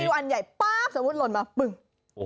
วันใหญ่ป๊าบสมมุติหล่นมาปึ้ง